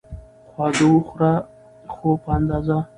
خواږه وخوره، خو په اندازه